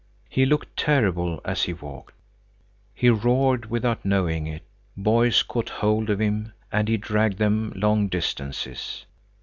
He looked terrible, as he walked. He roared without knowing it. Boys caught hold of him, and he dragged them long distances.